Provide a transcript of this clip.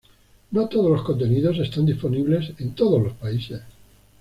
No todos los contenidos están disponibles en todos los países.